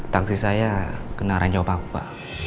taksi saya kena ranjau paku pa